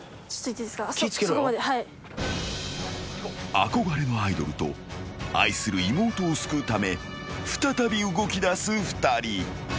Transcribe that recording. ［憧れのアイドルと愛する妹を救うため再び動きだす２人］